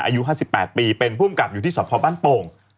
อายุ๕๘ปีเป็นผู้อำกับอยู่ที่สพบ้านโป่ง